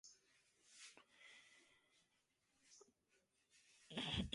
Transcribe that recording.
The couple later divorced but she kept his surname professionally.